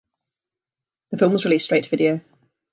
The film was released straight to video.